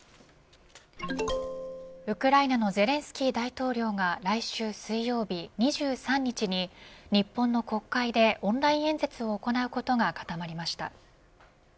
ウクライナのゼレンスキー大統領が来週水曜日２３日に日本の国会でオンライン演説を行うことが固まりました。